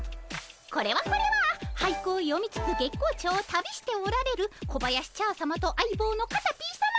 これはこれは俳句を詠みつつ月光町を旅しておられる小林茶さまと相棒のカタピーさま。